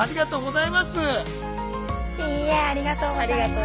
いいえありがとうございます。